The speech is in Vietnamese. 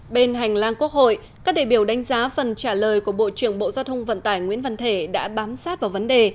bên hành lang quốc hội các đề biểu đánh giá phần trả lời của bộ trưởng bộ giao thông vận tải nguyễn văn thể đã bám sát vào vấn đề